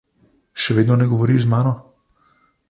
Še vedno ne govoriš z mano?